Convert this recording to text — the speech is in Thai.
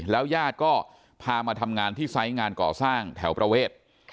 ยาดก็พามาทำงานที่ไซส์งานก่อสร้างแถวประเวท